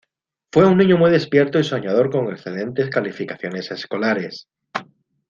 Fue un niño muy despierto y soñador con excelentes calificaciones escolares.